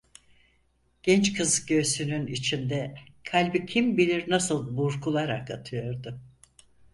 Genç kız göğsünün içinde kalbi kim bilir nasıl burkularak atıyordu.